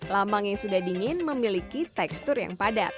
lamang yang sudah dingin memiliki tekstur yang lebih lembut